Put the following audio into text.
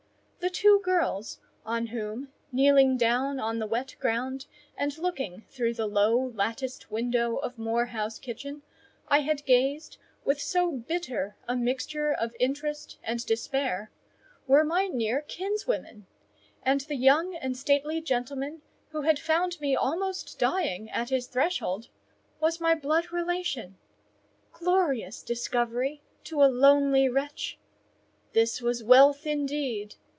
The two girls, on whom, kneeling down on the wet ground, and looking through the low, latticed window of Moor House kitchen, I had gazed with so bitter a mixture of interest and despair, were my near kinswomen; and the young and stately gentleman who had found me almost dying at his threshold was my blood relation. Glorious discovery to a lonely wretch! This was wealth indeed!